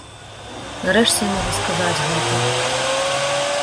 Нарэшце я магу сказаць гэта!